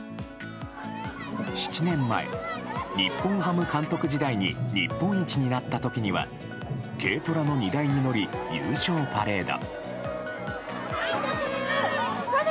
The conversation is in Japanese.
７年前、日本ハム監督時代に日本一になった時には軽トラの荷台に乗り優勝パレード。